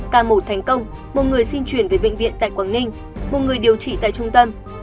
ca mổ thành công một người xin chuyển về bệnh viện tại quảng ninh một người điều trị tại trung tâm